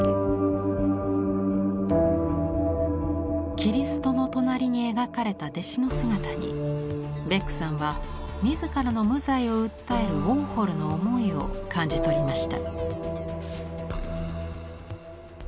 キリストの隣に描かれた弟子の姿にベックさんは自らの無罪を訴えるウォーホルの思いを感じ取りました。